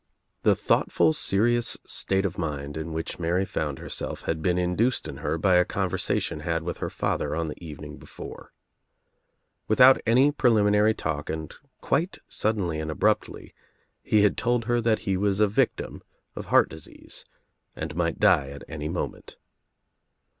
The thoughtful serious state of mind in which Mary found herself had been induced in her by a conversa tion had with her father on the evening before. With out any preliminary talk and quite suddenly and ab ruptly he had told her that he was a victim of heart ^ UNLIG II TED LAMPS 6$ disease and might die at any moment.